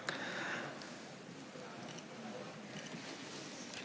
อันนี้